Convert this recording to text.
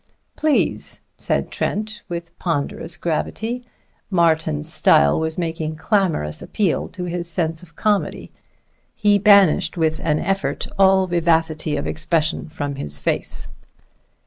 "Please," said Trent with ponderous gravity. Martin's style was making clamorous appeal to his sense of comedy. He banished with an effort all vivacity of expression from his face.